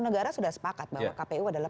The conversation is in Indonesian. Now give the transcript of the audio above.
negara sudah sepakat bahwa kpu adalah